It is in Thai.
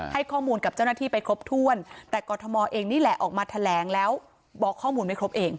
ให้ข้อมูลกับเจ้าหน้าที่ไปครบถ้วนแต่กรทมเองนี่แหละออกมาแถลงแล้วบอกข้อมูลไม่ครบเอง